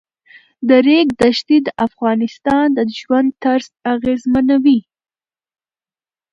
د ریګ دښتې د افغانانو د ژوند طرز اغېزمنوي.